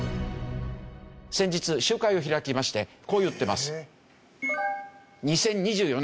先日集会を開きましてこう言ってます。